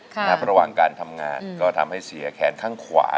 ระหว่างการทำงานก็ทำให้เสียแขนข้างขวา